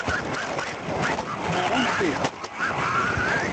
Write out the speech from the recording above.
Baran tê.